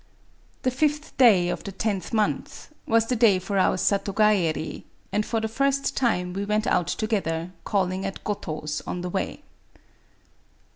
The fifth day of the tenth month was the day for our satogaeri^ and for the first time we went out together, call ing at Goto's on the way.